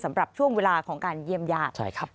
สำหรับช่วงเวลาของการเยี่ยมญาติ